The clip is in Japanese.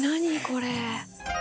これ。